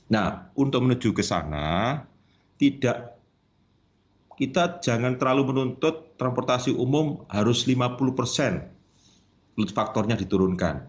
nah untuk menuju ke sana tidak kita jangan terlalu menuntut transportasi umum harus lima puluh persen faktornya diturunkan